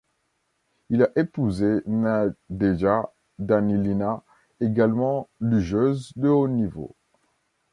Il a épousé Nadejda Danilina, également lugeuse de haut niveau.